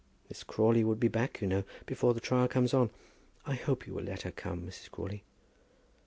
Miss Crawley would be back, you know, before the trial comes on. I hope you will let her come, Mrs. Crawley?"